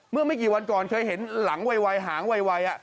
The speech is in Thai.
เมื่อไม่กี่วันก่อนเคยเห็นหลังไวหางไว